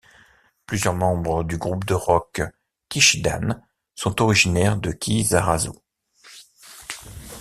Plusieurs membres du groupe de rock Kishidan sont originaires de Kisarazu.